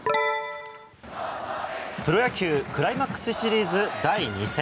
プロ野球クライマックスシリーズ第２戦。